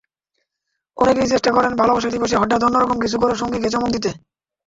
অনেকেই চেষ্টা করেন ভালোবাসা দিবসে হঠাৎ অন্য রকম কিছু করে সঙ্গীকে চমক দিতে।